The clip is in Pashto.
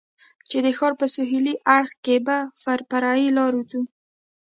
چې د ښار په سهېلي اړخ کې به پر فرعي لارو ځو.